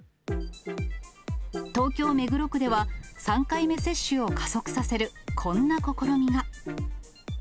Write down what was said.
東京・目黒区では、３回目接種を加速させるこんな試みが。